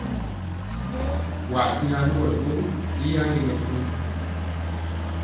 Waa siŋa luwɔlɔ ɓori i yaŋge mɛbun?